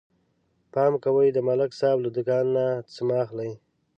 پام کوئ د ملک صاحب له دوکان نه څه مه اخلئ